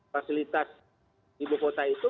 fasilitas ibu kota itu